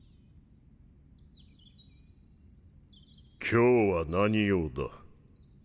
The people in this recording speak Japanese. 今日は何用だ？